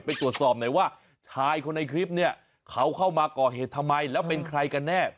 ไปตรวจสอบหน่อยว่าชายคนในคลิปเนี่ยเขาเข้ามาก่อเหตุทำไมแล้วเป็นใครกันแน่